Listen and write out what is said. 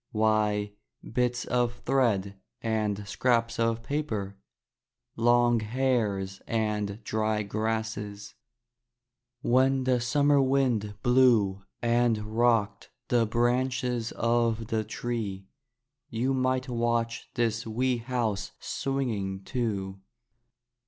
Why, bits of thread and scraps of paper, long hairs and dry grasses. When the summer wind blew and rocked the branches of the tree, you might watch this wee house swinging, too.